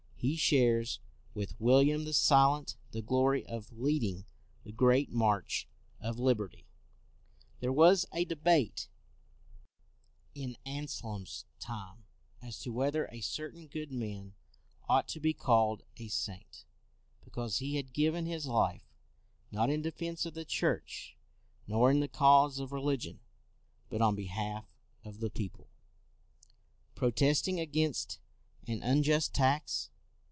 He shares with William the Silent the glory of leading the great march of liberty. There was a debate in Anselm's time as to whether a certain good man ought to be called a saint, because he had given 256 CROMWELL his life, not in defense of the Church nor in the cause of religion, but on behalf of the people, protesting against an unjust tax.